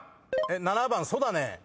７番「そだねー」